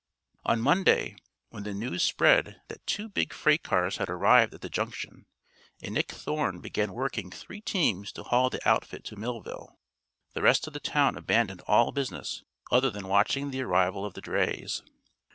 On Monday, when the news spread that two big freight cars had arrived at the Junction, and Nick Thorne began working three teams to haul the outfit to Millville, the rest of the town abandoned all business other than watching the arrival of the drays.